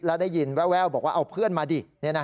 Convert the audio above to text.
แล้วได้ยินแววบอกว่าเอาเพื่อนมาดิ